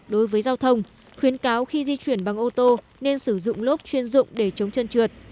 đối với giao thông khuyến cáo khi di chuyển bằng ô tô nên sử dụng lốp chuyên dụng để chống chân trượt